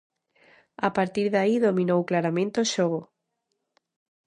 A partir de aí dominou claramente o xogo.